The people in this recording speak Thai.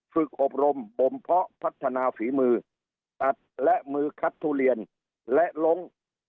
ฝึกอบรมบมเพาะพัฒนาฝีมือตัดและมือคัดทุเรียนและลง